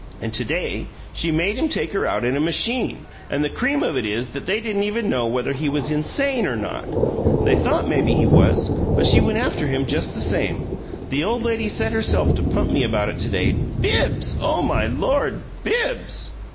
And to day she made him take her out in a machine! And the cream of it is that they didn't even know whether he was INSANE or not they thought maybe he was, but she went after him just the same! The old lady set herself to pump me about it to day. BIBBS! Oh, my Lord! BIBBS!"